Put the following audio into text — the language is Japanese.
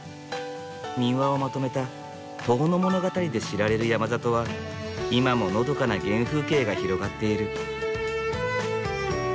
民話をまとめた「遠野物語」で知られる山里は今ものどかな原風景が広がっている。